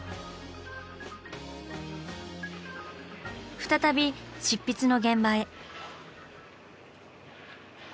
再び執筆の現場へ。